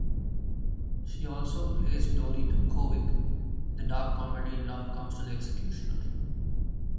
She also played Dori Dumchovic in the dark comedy "Love Comes to the Executioner".